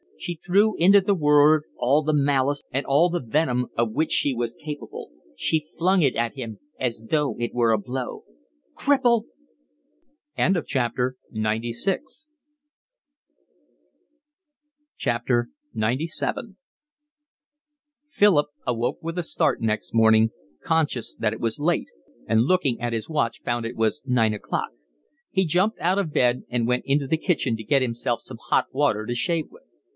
She threw into the word all the malice and all the venom of which she was capable. She flung it at him as though it were a blow. "Cripple!" XCVII Philip awoke with a start next morning, conscious that it was late, and looking at his watch found it was nine o'clock. He jumped out of bed and went into the kitchen to get himself some hot water to shave with.